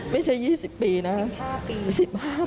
ไม่ใช่๒๐ปีนะ